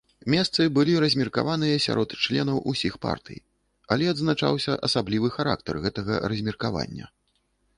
Месцы былі размеркаваныя серад членаў усіх партый, але адзначаўся асаблівы характар гэтага размеркавання.